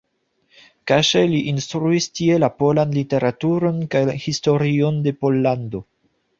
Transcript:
Kaŝe li instruis tie la polan literaturon kaj historion de Pollando.